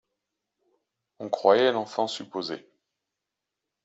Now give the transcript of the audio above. On croyait l'enfant supposé.